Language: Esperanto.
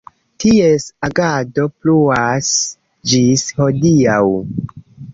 Ties agado pluas ĝis hodiaŭ.